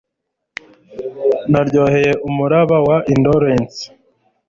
Naryoheye umuraba wa indolence